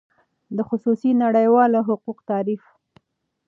د خصوصی نړیوالو حقوقو تعریف :